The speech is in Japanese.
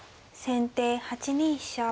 先手８二飛車。